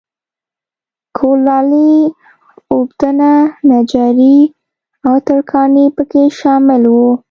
کولالي، اوبدنه، نجاري او ترکاڼي په کې شامل وو